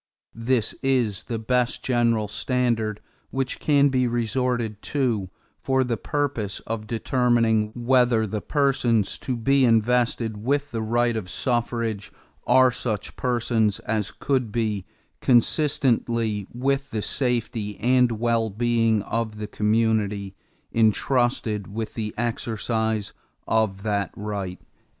This is the best general standard which can be resorted to for the purpose of determining whether the persons to be invested with the right of suffrage are such persons as could be, consistently with the safety and well being of the community, intrusted with the exercise of that right."